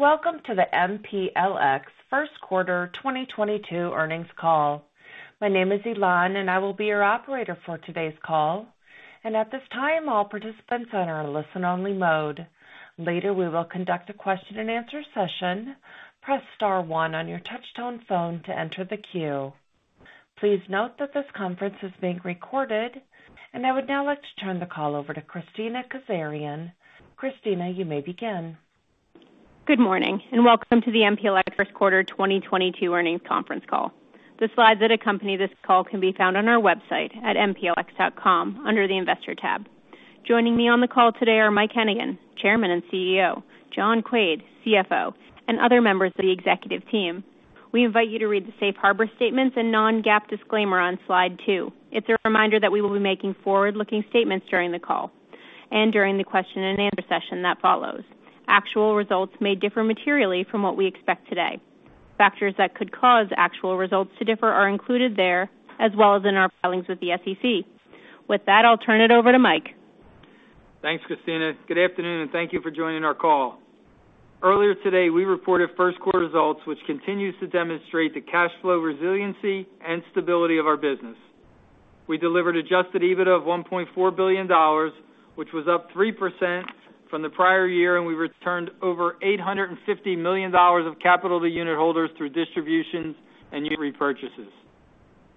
Welcome to the MPLX first quarter 2022 earnings call. My name is Elan, and I will be your operator for today's call. At this time, all participants are in a listen-only mode. Later, we will conduct a question-and-answer session. Press star one on your touch-tone phone to enter the queue. Please note that this conference is being recorded, and I would now like to turn the call over to Kristina Kazarian. Kristina, you may begin. Good morning, and welcome to the MPLX first quarter 2022 earnings conference call. The slides that accompany this call can be found on our website at mplx.com under the Investor tab. Joining me on the call today are Mike Hennigan, Chairman and CEO, John Quaid, CFO, and other members of the executive team. We invite you to read the safe harbor statements and non-GAAP disclaimer on slide two. It's a reminder that we will be making forward-looking statements during the call and during the question-and-answer session that follows. Actual results may differ materially from what we expect today. Factors that could cause actual results to differ are included there, as well as in our filings with the SEC. With that, I'll turn it over to Mike. Thanks, Kristina. Good afternoon, and thank you for joining our call. Earlier today, we reported first quarter results, which continues to demonstrate the cash flow resiliency and stability of our business. We delivered adjusted EBITDA of $1.4 billion, which was up 3% from the prior year, and we returned over $850 million of capital to unit holders through distributions and unit repurchases.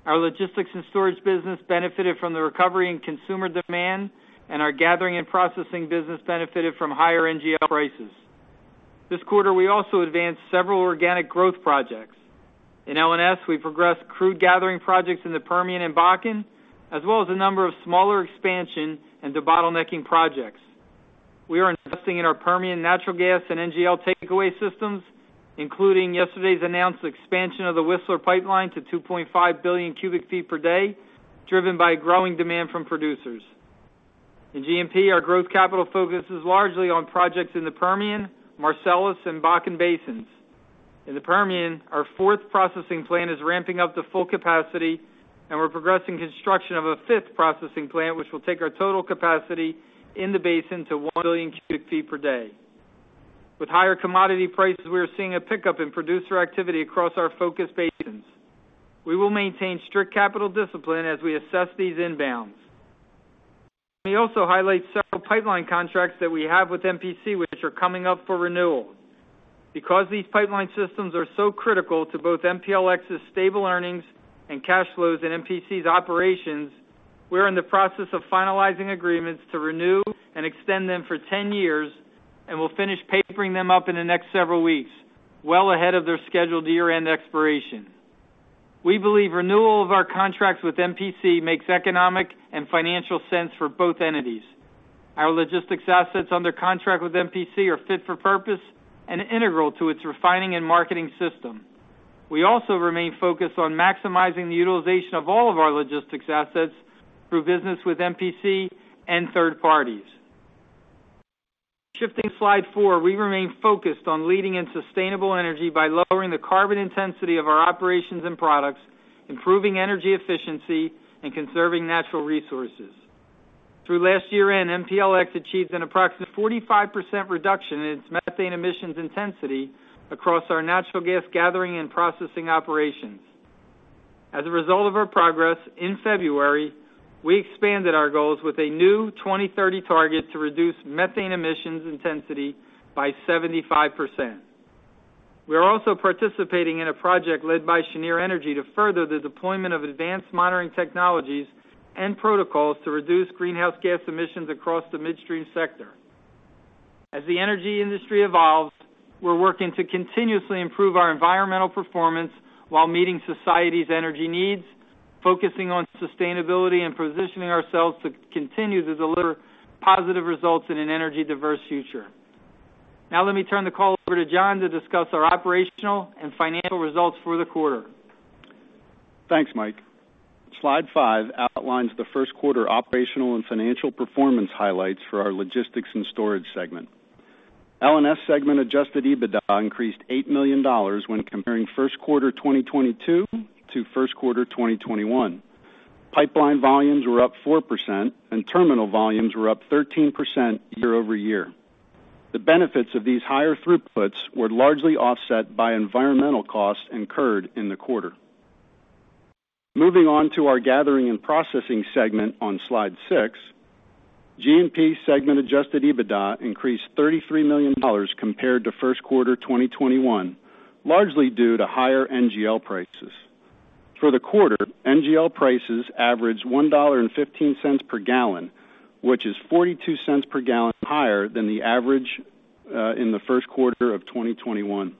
Our logistics and storage business benefited from the recovery in consumer demand, and our gathering and processing business benefited from higher NGL prices. This quarter, we also advanced several organic growth projects. In L&S, we progressed crude gathering projects in the Permian and Bakken, as well as a number of smaller expansion and debottlenecking projects. We are investing in our Permian natural gas and NGL takeaway systems, including yesterday's announced expansion of the Whistler Pipeline to 2.5 billion cu ft per day, driven by growing demand from producers. In GNP, our growth capital focuses largely on projects in the Permian, Marcellus, and Bakken basins. In the Permian, our fourth processing plant is ramping up to full capacity, and we're progressing construction of a fifth processing plant, which will take our total capacity in the basin to 1 billion cu ft per day. With higher commodity prices, we are seeing a pickup in producer activity across our focus basins. We will maintain strict capital discipline as we assess these inbounds. Let me also highlight several pipeline contracts that we have with MPC, which are coming up for renewal. Because these pipeline systems are so critical to both MPLX's stable earnings and cash flows and MPC's operations, we're in the process of finalizing agreements to renew and extend them for 10 years, and we'll finish papering them up in the next several weeks, well ahead of their scheduled year-end expiration. We believe renewal of our contracts with MPC makes economic and financial sense for both entities. Our logistics assets under contract with MPC are fit for purpose and integral to its refining and marketing system. We also remain focused on maximizing the utilization of all of our logistics assets through business with MPC and third parties. Shifting to slide four, we remain focused on leading in sustainable energy by lowering the carbon intensity of our operations and products, improving energy efficiency, and conserving natural resources. Through last year-end, MPLX achieved an approximate 45% reduction in its methane emissions intensity across our natural gas gathering and processing operations. As a result of our progress, in February, we expanded our goals with a new 2030 target to reduce methane emissions intensity by 75%. We are also participating in a project led by Cheniere Energy to further the deployment of advanced monitoring technologies and protocols to reduce greenhouse gas emissions across the midstream sector. As the energy industry evolves, we're working to continuously improve our environmental performance while meeting society's energy needs, focusing on sustainability, and positioning ourselves to continue to deliver positive results in an energy-diverse future. Now let me turn the call over to John to discuss our operational and financial results for the quarter. Thanks, Mike. Slide five outlines the first quarter operational and financial performance highlights for our logistics and storage segment. L&S segment adjusted EBITDA increased $8 million when comparing first quarter 2022 to first quarter 2021. Pipeline volumes were up 4%, and terminal volumes were up 13% year-over-year. The benefits of these higher throughputs were largely offset by environmental costs incurred in the quarter. Moving on to our gathering and processing segment on slide six, G&P segment adjusted EBITDA increased $33 million compared to first quarter 2021, largely due to higher NGL prices. For the quarter, NGL prices averaged $1.15 per gallon, which is $0.42 per gallon higher than the average in the first quarter of 2021.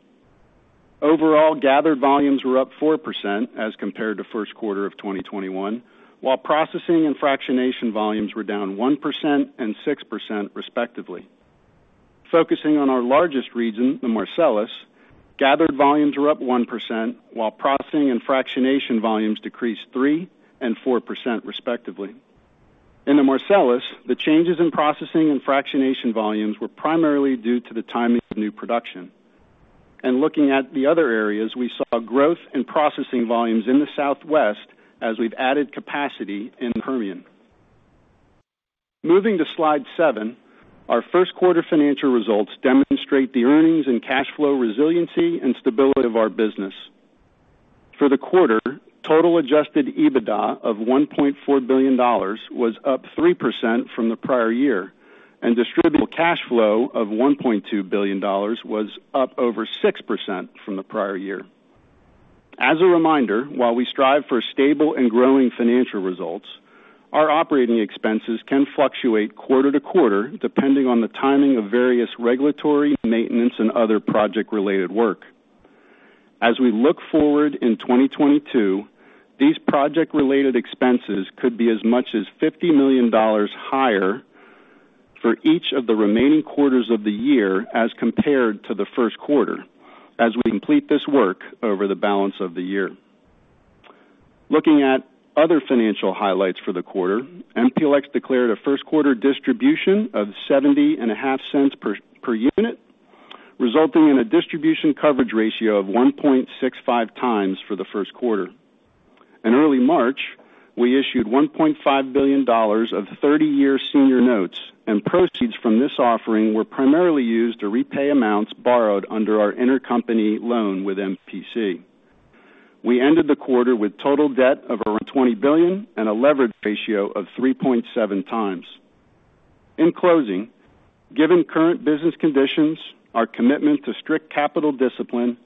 Overall, gathered volumes were up 4% as compared to first quarter of 2021, while processing and fractionation volumes were down 1% and 6% respectively. Focusing on our largest region, the Marcellus, gathered volumes were up 1%, while processing and fractionation volumes decreased 3% and 4% respectively. In the Marcellus, the changes in processing and fractionation volumes were primarily due to the timing of new production. Looking at the other areas, we saw growth in processing volumes in the Southwest as we've added capacity in the Permian. Moving to slide seven, our first quarter financial results demonstrate the earnings and cash flow resiliency and stability of our business. For the quarter, total adjusted EBITDA of $1.4 billion was up 3% from the prior year, and distributable cash flow of $1.2 billion was up over 6% from the prior year. As a reminder, while we strive for stable and growing financial results, our operating expenses can fluctuate quarter to quarter depending on the timing of various regulatory, maintenance, and other project-related work. As we look forward in 2022, these project-related expenses could be as much as $50 million higher for each of the remaining quarters of the year as compared to the first quarter as we complete this work over the balance of the year. Looking at other financial highlights for the quarter, MPLX declared a first quarter distribution of $0.705 per unit, resulting in a distribution coverage ratio of 1.65 times for the first quarter. In early March, we issued $1.5 billion of 30-year senior notes, and proceeds from this offering were primarily used to repay amounts borrowed under our intercompany loan with MPC. We ended the quarter with total debt of around $20 billion and a leverage ratio of 3.7x. In closing, given current business conditions, our commitment to strict capital discipline,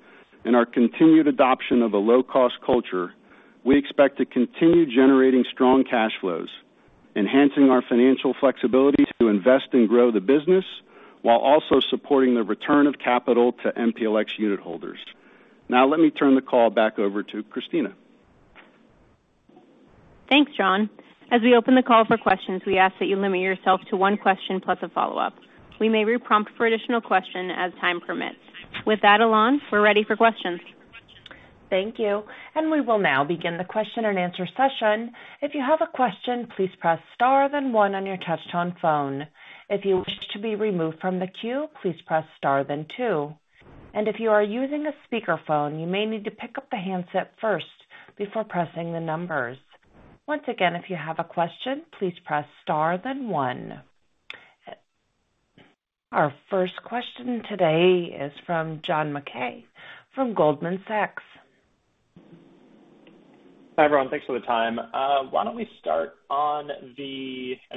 and our continued adoption of a low-cost culture, we expect to continue generating strong cash flows, enhancing our financial flexibility to invest and grow the business while also supporting the return of capital to MPLX unit holders. Now let me turn the call back over to Kristina. Thanks, John. As we open the call for questions, we ask that you limit yourself to one question plus a follow-up. We may re-prompt for additional question as time permits. With that, Elan, we're ready for questions. Thank you. We will now begin the question and answer session. If you have a question, please press star then one on your touchtone phone. If you wish to be removed from the queue, please press star then two. If you are using a speaker phone, you may need to pick up the handset first before pressing the numbers. Once again, if you have a question, please press star then one. Our first question today is from John Mackay from Goldman Sachs. Hi, everyone. Thanks for the time.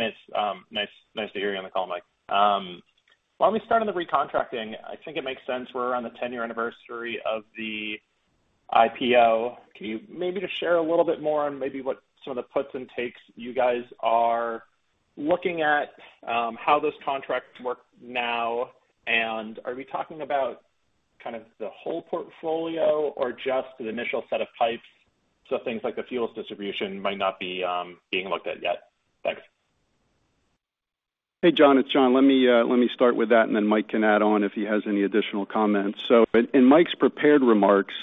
It's nice to hear you on the call, Mike. Why don't we start on the recontracting? I think it makes sense we're around the ten-year anniversary of the IPO. Can you maybe just share a little bit more on maybe what some of the puts and takes you guys are looking at, how those contracts work now? Are we talking about kind of the whole portfolio or just the initial set of pipes, so things like the fuels distribution might not be being looked at yet? Thanks. Hey, John, it's John. Let me start with that, and then Mike can add on if he has any additional comments. In Mike's prepared remarks,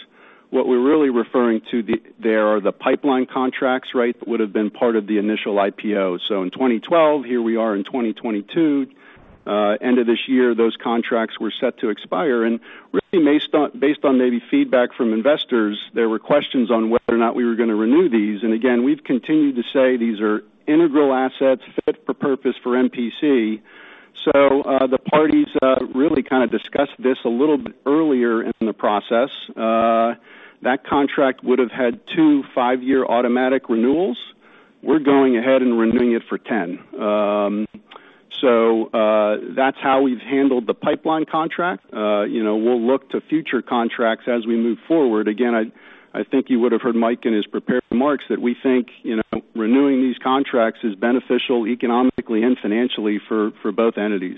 what we're really referring to, there are the pipeline contracts, right, that would have been part of the initial IPO. In 2012, here we are in 2022, end of this year, those contracts were set to expire. Really based on maybe feedback from investors, there were questions on whether or not we were gonna renew these. Again, we've continued to say these are integral assets fit for purpose for MPC. The parties really kinda discussed this a little bit earlier in the process. That contract would have had two five-year automatic renewals. We're going ahead and renewing it for 10. That's how we've handled the pipeline contract. You know, we'll look to future contracts as we move forward. Again, I think you would have heard Mike in his prepared remarks that we think, you know, renewing these contracts is beneficial economically and financially for both entities.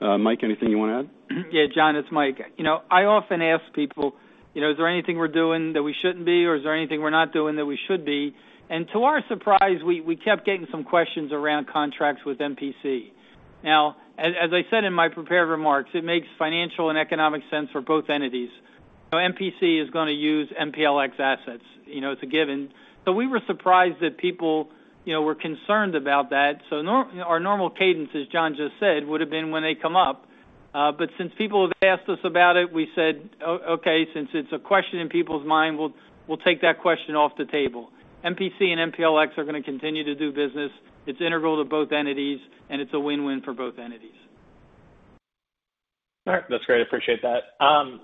Mike, anything you wanna add? Yeah, John, it's Mike. You know, I often ask people, you know, is there anything we're doing that we shouldn't be, or is there anything we're not doing that we should be? To our surprise, we kept getting some questions around contracts with MPC. Now, as I said in my prepared remarks, it makes financial and economic sense for both entities. MPC is gonna use MPLX assets, you know, it's a given. We were surprised that people, you know, were concerned about that. Our normal cadence, as John just said, would have been when they come up. Since people have asked us about it, we said, "Okay, since it's a question in people's mind, we'll take that question off the table." MPC and MPLX are gonna continue to do business. It's integral to both entities, and it's a win-win for both entities. All right. That's great. I appreciate that.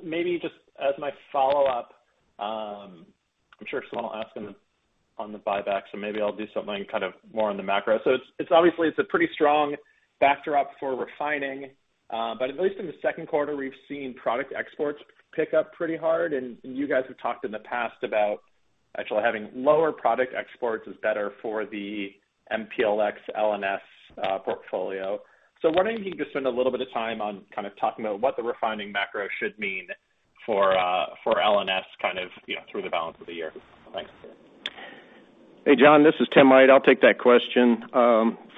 Maybe just as my follow-up, I'm sure someone will ask on the buyback, so maybe I'll do something kind of more on the macro. It's obviously a pretty strong backdrop for refining. But at least in the second quarter, we've seen product exports pick up pretty hard, and you guys have talked in the past about actually having lower product exports is better for the MPLX L&S portfolio. Wondering if you can just spend a little bit of time on kind of talking about what the refining macro should mean for L&S kind of, you know, through the balance of the year. Thanks. Hey, John, this is Timothy J. Aydt. I'll take that question.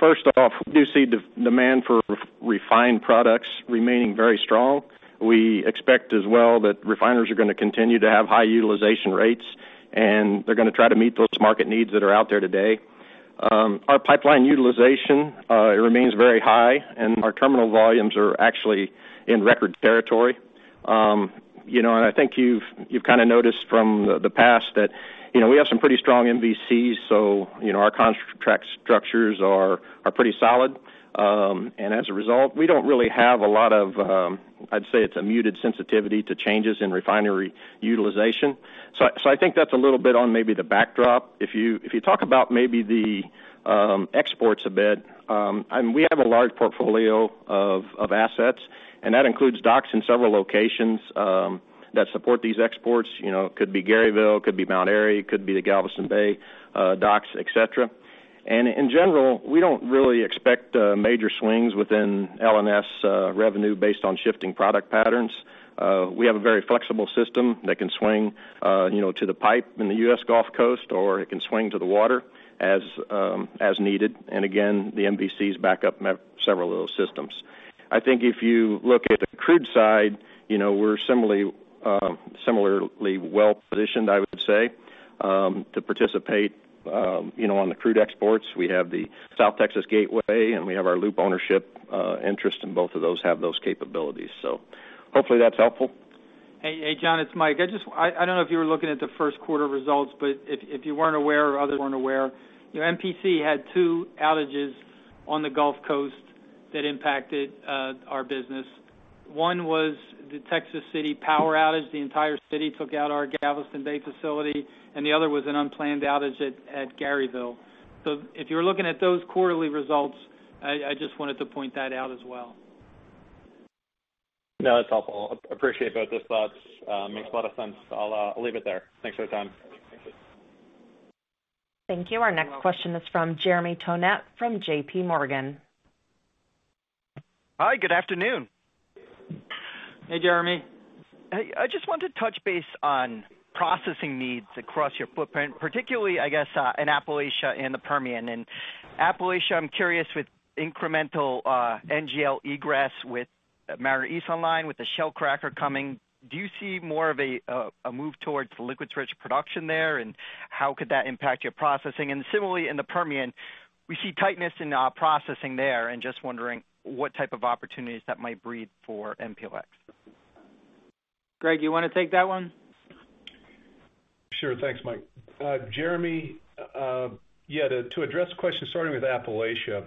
First off, we do see demand for re-refined products remaining very strong. We expect as well that refiners are gonna continue to have high utilization rates, and they're gonna try to meet those market needs that are out there today. Our pipeline utilization, it remains very high, and our terminal volumes are actually in record territory. You know, I think you've kind of noticed from the past that you know, we have some pretty strong MVCs, so you know, our contract structures are pretty solid. As a result, we don't really have a lot of, I'd say it's a muted sensitivity to changes in refinery utilization. I think that's a little bit on maybe the backdrop. If you talk about maybe the exports a bit, and we have a large portfolio of assets, and that includes docks in several locations that support these exports. You know, it could be Garyville, could be Mount Airy, could be the Galveston Bay docks, et cetera. In general, we don't really expect major swings within L&S revenue based on shifting product patterns. We have a very flexible system that can swing, you know, to the pipe in the U.S. Gulf Coast, or it can swing to the water as needed. Again, the MVCs back up several of those systems. I think if you look at the crude side, you know, we're similarly well-positioned, I would say, to participate, you know, on the crude exports. We have the South Texas Gateway, and we have our LOOP ownership, interest, and both of those have those capabilities. Hopefully that's helpful. Hey, hey, John, it's Mike. I just—I don't know if you were looking at the first quarter results, but if you weren't aware or others weren't aware, you know, MPC had two outages on the Gulf Coast that impacted our business. One was the Texas City power outage. The entire city took out our Galveston Bay facility, and the other was an unplanned outage at Garyville. If you're looking at those quarterly results, I just wanted to point that out as well. No, that's helpful. Appreciate both those thoughts. Makes a lot of sense. I'll leave it there. Thanks for the time. Thank you. Thank you. Our next question is from Jeremy Tonet from J.P. Morgan. Hi, good afternoon. Hey, Jeremy. I just want to touch base on processing needs across your footprint, particularly, I guess, in Appalachia and the Permian. In Appalachia, I'm curious with incremental NGL egress with Mariner East online, with the Shell cracker coming, do you see more of a move towards liquids rich production there, and how could that impact your processing? Similarly, in the Permian, we see tightness in processing there and just wondering what type of opportunities that might breed for MPLX. Greg, you wanna take that one? Sure. Thanks, Mike. Jeremy, yeah, to address the question, starting with Appalachia.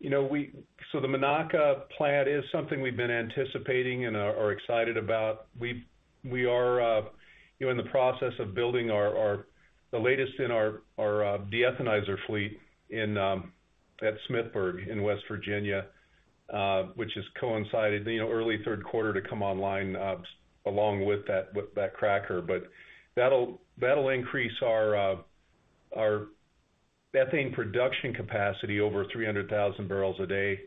You know, so the Monaca plant is something we've been anticipating and are excited about. We are, you know, in the process of building our the latest in our de-ethanizer fleet at Smithburg in West Virginia, which is coinciding, you know, early third quarter to come online, along with that cracker. But that'll increase our ethane production capacity over 300,000 barrels a day.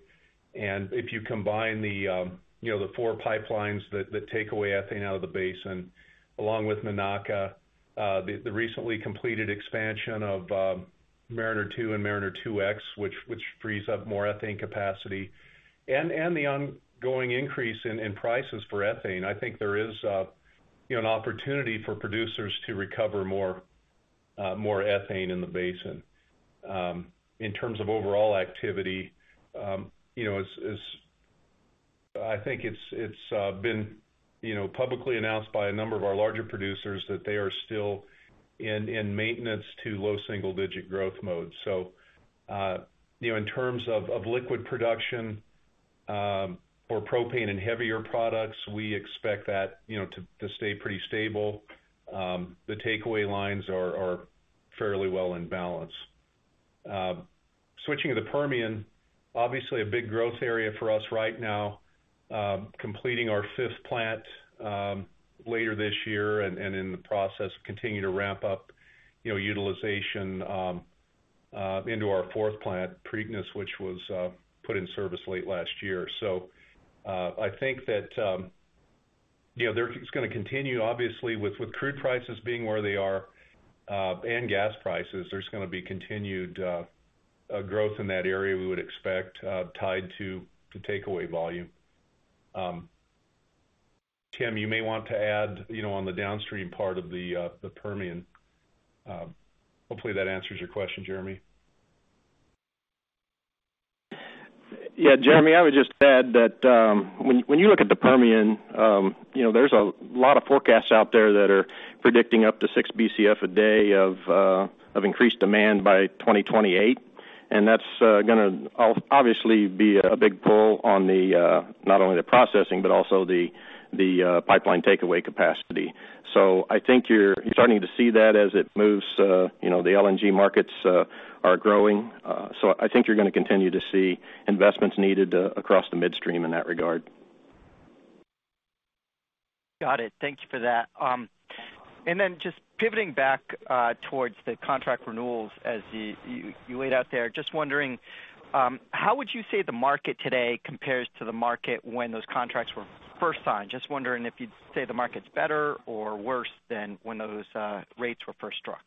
If you combine the, you know, the four pipelines that take away ethane out of the basin, along with Monaca, the recently completed expansion of Mariner East 2 and Mariner East 2x, which frees up more ethane capacity and the ongoing increase in prices for ethane, I think there is a, you know, an opportunity for producers to recover more ethane in the basin. In terms of overall activity, you know, I think it's been publicly announced by a number of our larger producers that they are still in maintenance to low single-digit growth mode. In terms of liquid production, or propane and heavier products, we expect that, you know, to stay pretty stable. The takeaway lines are fairly well in balance. Switching to the Permian, obviously a big growth area for us right now, completing our fifth plant later this year and in the process continue to ramp up, you know, utilization into our fourth plant, Preakness, which was put in service late last year. I think that, you know, it's gonna continue obviously with crude prices being where they are and gas prices, there's gonna be continued growth in that area we would expect, tied to the takeaway volume. Tim, you may want to add, you know, on the downstream part of the Permian. Hopefully that answers your question, Jeremy. Yeah, Jeremy, I would just add that, when you look at the Permian, you know, there's a lot of forecasts out there that are predicting up to 6 Bcf a day of increased demand by 2028. That's gonna obviously be a big pull on the not only the processing but also the pipeline takeaway capacity. I think you're starting to see that as it moves, you know, the LNG markets are growing. I think you're gonna continue to see investments needed across the midstream in that regard. Got it. Thank you for that. Just pivoting back towards the contract renewals as you laid out there. Just wondering, how would you say the market today compares to the market when those contracts were first signed? Just wondering if you'd say the market's better or worse than when those rates were first struck.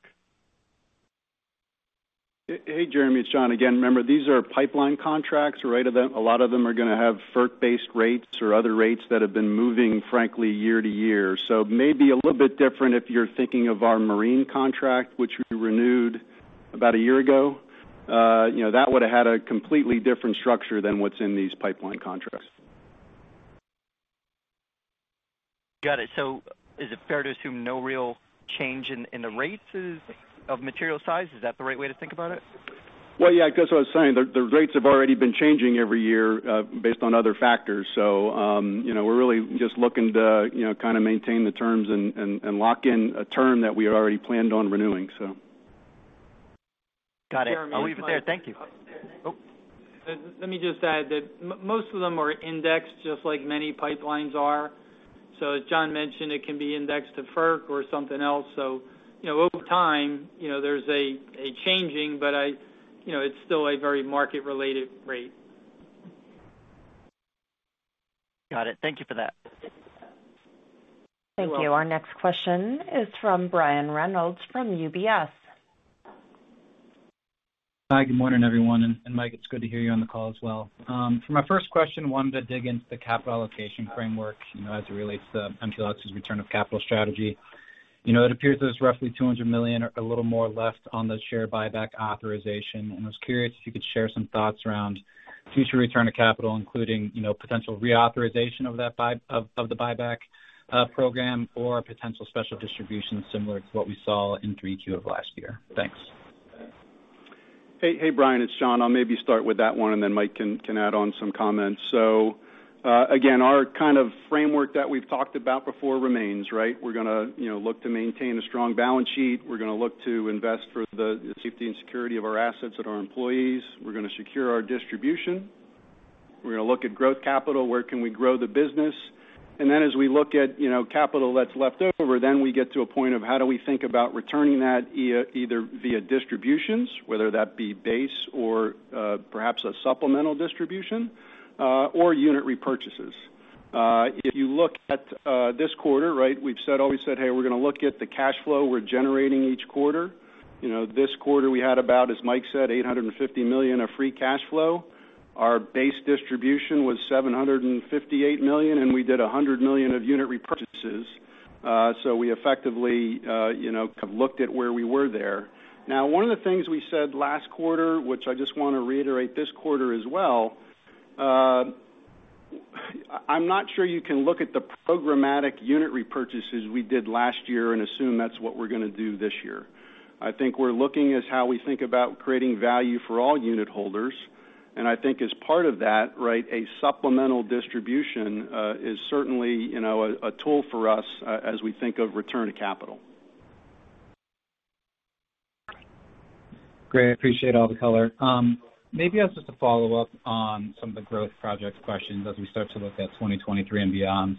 Hey, Jeremy, it's John again. Remember, these are pipeline contracts, right? A lot of them are gonna have FERC-based rates or other rates that have been moving, frankly, year to year. It may be a little bit different if you're thinking of our marine contract, which we renewed about a year ago. You know, that would have had a completely different structure than what's in these pipeline contracts. Got it. Is it fair to assume no real change in the rates of material size? Is that the right way to think about it? Well, yeah, I guess what I was saying, the rates have already been changing every year, based on other factors. You know, we're really just looking to, you know, kind of maintain the terms and lock in a term that we had already planned on renewing, so. Got it. I'll leave it there. Thank you. Jeremy. Oh. Let me just add that most of them are indexed, just like many pipelines are. As John mentioned, it can be indexed to FERC or something else. You know, over time, you know, there's a change, but you know, it's still a very market-related rate. Got it. Thank you for that. You're welcome. Thank you. Our next question is from Brian Reynolds from UBS. Hi, good morning, everyone. Mike, it's good to hear you on the call as well. For my first question, wanted to dig into the capital allocation framework, you know, as it relates to MPLX's return of capital strategy. You know, it appears there's roughly $200 million or a little more left on the share buyback authorization. I was curious if you could share some thoughts around future return to capital, including, you know, potential reauthorization of that buyback program or potential special distributions similar to what we saw in 3Q of last year. Thanks. Hey, hey, Brian, it's John. I'll maybe start with that one, and then Mike can add on some comments. Again, our kind of framework that we've talked about before remains, right? We're gonna, you know, look to maintain a strong balance sheet. We're gonna look to invest for the safety and security of our assets and our employees. We're gonna secure our distribution. We're gonna look at growth capital, where can we grow the business? Then as we look at, you know, capital that's left over, then we get to a point of how do we think about returning that either via distributions, whether that be base or, perhaps a supplemental distribution, or unit repurchases. If you look at this quarter, right, we've always said, "Hey, we're gonna look at the cash flow we're generating each quarter." You know, this quarter we had about, as Mike said, $850 million of free cash flow. Our base distribution was $758 million, and we did $100 million of unit repurchases. We effectively, you know, kind of looked at where we were there. Now, one of the things we said last quarter, which I just wanna reiterate this quarter as well, I'm not sure you can look at the programmatic unit repurchases we did last year and assume that's what we're gonna do this year. I think we're looking is how we think about creating value for all unit holders. I think as part of that, right, a supplemental distribution is certainly, you know, a tool for us as we think of return to capital. Great. I appreciate all the color. Maybe I'll just a follow-up on some of the growth projects questions as we start to look at 2023 and beyond.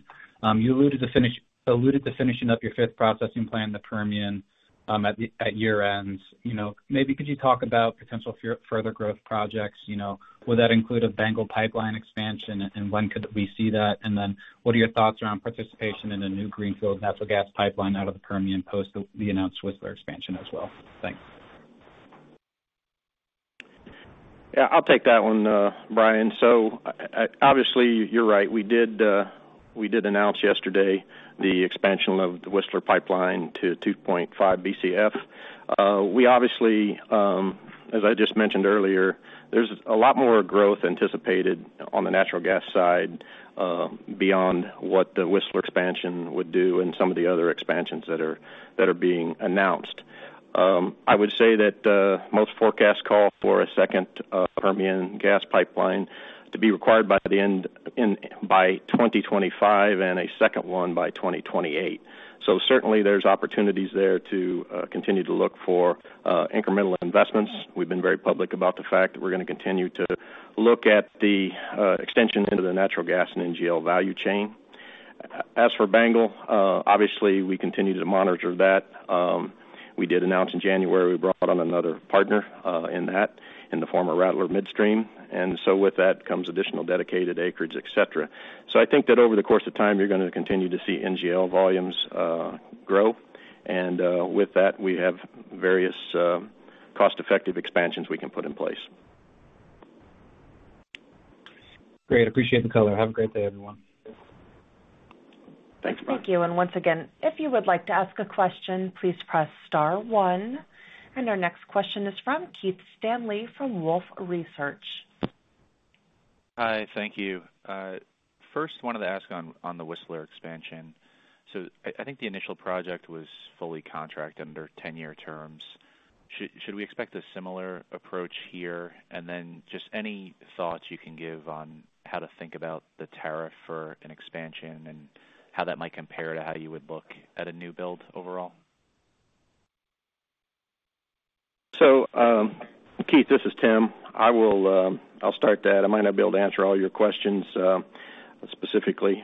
You alluded to finishing up your fifth processing plant in the Permian, at year-end. You know, maybe could you talk about potential further growth projects? You know, would that include a BANGL pipeline expansion? And when could we see that? And then what are your thoughts around participation in a new greenfield natural gas pipeline out of the Permian post the announced Whistler expansion as well? Thanks. Yeah, I'll take that one, Brian. Obviously, you're right. We did announce yesterday the expansion of the Whistler Pipeline to 2.5 Bcf. We obviously, as I just mentioned earlier, there's a lot more growth anticipated on the natural gas side, beyond what the Whistler expansion would do and some of the other expansions that are being announced. I would say that most forecasts call for a second Permian gas pipeline to be required by 2025 and a second one by 2028. Certainly there's opportunities there to continue to look for incremental investments. We've been very public about the fact that we're gonna continue to look at the extensions into the natural gas and NGL value chain. As for BANGL, obviously, we continue to monitor that. We did announce in January we brought on another partner in the former Rattler Midstream. With that comes additional dedicated acreage, et cetera. I think that over the course of time, you're gonna continue to see NGL volumes grow. With that, we have various cost-effective expansions we can put in place. Great. Appreciate the color. Have a great day, everyone. Thanks, Brian. Thank you. Once again, if you would like to ask a question, please press star one. Our next question is from Keith Stanley from Wolfe Research. Hi. Thank you. First wanted to ask on the Whistler expansion. I think the initial project was fully contracted under 10-year terms. Should we expect a similar approach here? Just any thoughts you can give on how to think about the tariff for an expansion and how that might compare to how you would look at a new build overall? Keith, this is Tim. I'll start that. I might not be able to answer all your questions specifically.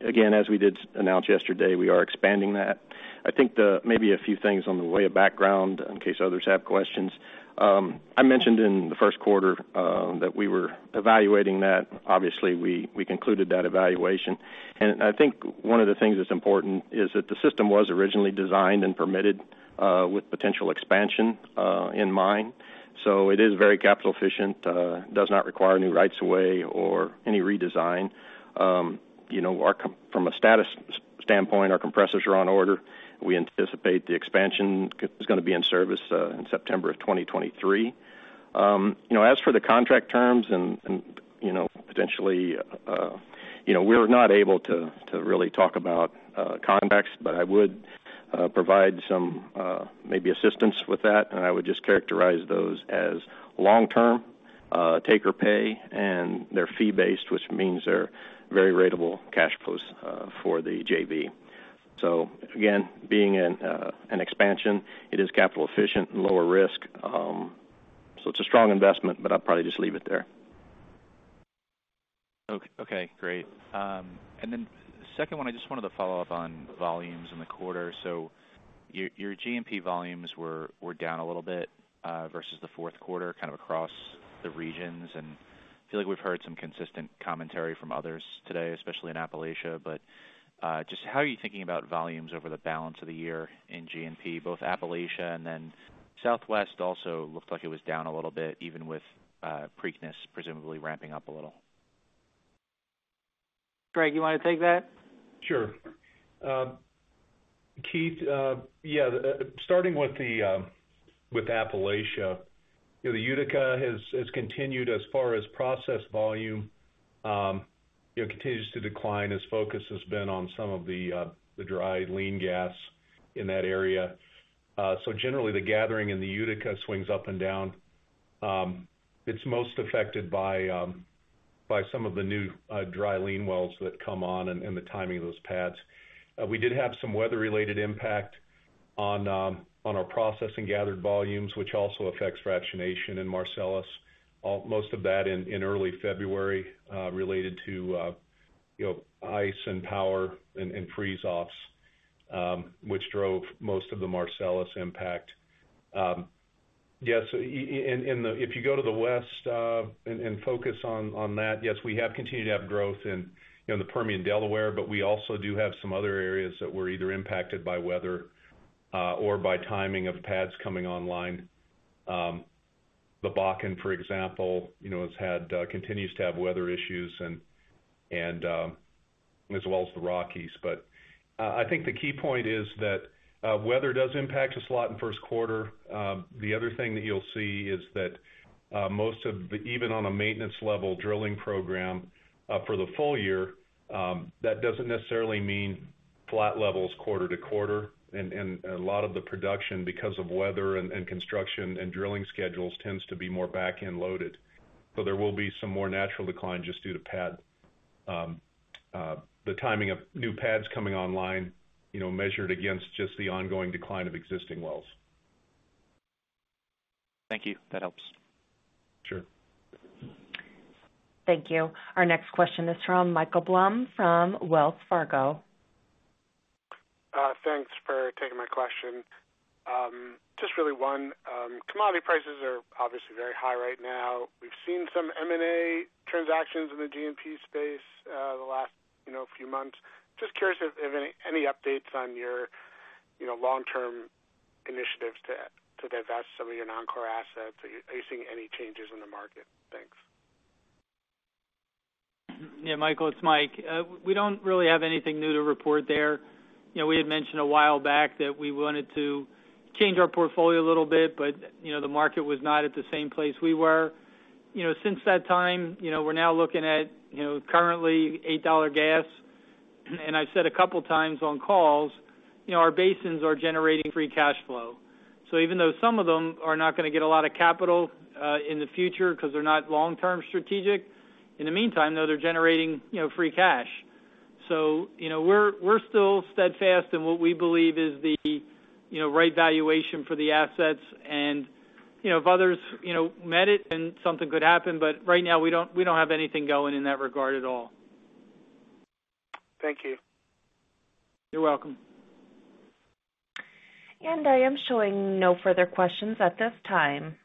Again, as we did announce yesterday, we are expanding that. I think maybe a few things by way of background in case others have questions. I mentioned in the first quarter that we were evaluating that. Obviously, we concluded that evaluation. I think one of the things that's important is that the system was originally designed and permitted with potential expansion in mind. It is very capital efficient, does not require any rights of way or any redesign. You know, from a status standpoint, our compressors are on order. We anticipate the expansion is gonna be in service in September 2023. You know, as for the contract terms and, you know, potentially, you know, we're not able to really talk about contracts, but I would provide some maybe assistance with that, and I would just characterize those as long-term take-or-pay, and they're fee-based, which means they're very ratable cash flows for the JV. Again, being in an expansion, it is capital efficient and lower risk. It's a strong investment, but I'll probably just leave it there. Okay, great. Then second one, I just wanted to follow up on volumes in the quarter. Your G&P volumes were down a little bit versus the fourth quarter, kind of across the regions. I feel like we've heard some consistent commentary from others today, especially in Appalachia. Just how are you thinking about volumes over the balance of the year in G&P, both Appalachia and then Southwest also looked like it was down a little bit, even with Preakness presumably ramping up a little. Greg, you wanna take that? Sure. Keith, starting with Appalachia, you know, the Utica has continued as far as processing volume, it continues to decline as focus has been on some of the dry lean gas in that area. Generally, the gathering in the Utica swings up and down. It's most affected by some of the new dry lean wells that come on and the timing of those pads. We did have some weather-related impact on our processing and gathered volumes, which also affects fractionation in Marcellus, most of that in early February, related to you know, ice and power and freeze-offs, which drove most of the Marcellus impact. Yes, in and if you go to the West, and focus on that, yes, we have continued to have growth in, you know, the Permian Delaware, but we also do have some other areas that were either impacted by weather, or by timing of pads coming online. The Bakken, for example, you know, continues to have weather issues and as well as the Rockies. I think the key point is that weather does impact us a lot in first quarter. The other thing that you'll see is that most of the even on a maintenance level drilling program, for the full year, that doesn't necessarily mean flat levels quarter to quarter. A lot of the production because of weather and construction and drilling schedules tends to be more back-end loaded. There will be some more natural decline just due to pad, the timing of new pads coming online, you know, measured against just the ongoing decline of existing wells. Thank you. That helps. Sure. Thank you. Our next question is from Michael Blum from Wells Fargo. Thanks for taking my question. Just really one. Commodity prices are obviously very high right now. We've seen some M&A transactions in the G&P space, the last you know few months. Just curious if any updates on your you know long-term initiatives to divest some of your non-core assets. Are you seeing any changes in the market? Thanks. Yeah, Michael, it's Mike. We don't really have anything new to report there. You know, we had mentioned a while back that we wanted to change our portfolio a little bit, but, you know, the market was not at the same place we were. You know, since that time, you know, we're now looking at, you know, currently $8 gas. I've said a couple of times on calls, you know, our basins are generating free cash flow. Even though some of them are not gonna get a lot of capital in the future 'cause they're not long-term strategic. In the meantime, though, they're generating, you know, free cash. You know, we're still steadfast in what we believe is the, you know, right valuation for the assets. You know, if others, you know, met it, then something could happen. Right now, we don't have anything going in that regard at all. Thank you. You're welcome. I am showing no further questions at this time.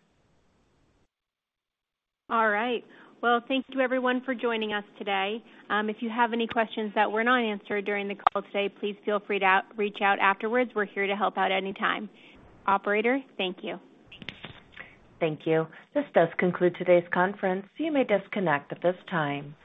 All right. Well, thank you everyone for joining us today. If you have any questions that were not answered during the call today, please feel free to reach out afterwards. We're here to help out anytime. Operator, thank you. Thank you. This does conclude today's conference. You may disconnect at this time.